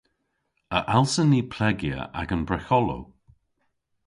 A allsen ni plegya agan bregholow?